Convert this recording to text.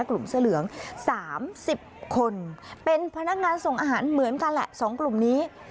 กลุ่มเสื้อเหลือง๓๐คนเป็นพนักงานส่งอาหารเหมือนกันแหละ๒กลุ่มนี้